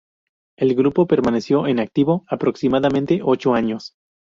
El grupo permaneció en activo aproximadamente ocho años.